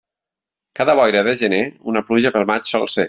Cada boira de gener, una pluja pel maig sol ser.